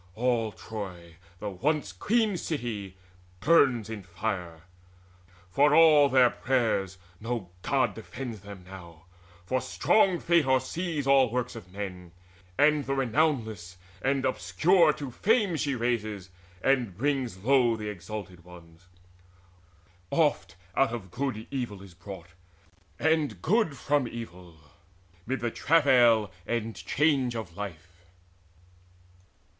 All Troy, the once queen city, burns in fire: For all their prayers, no God defends them now; For strong Fate oversees all works of men, And the renownless and obscure to fame She raises, and brings low the exalted ones. Oft out of good is evil brought, and good From evil, mid the travail and change of life."